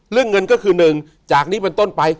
เรื่องเงินก็คือ๑จากนี้เป็นต้นไป